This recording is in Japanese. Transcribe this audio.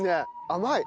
甘い。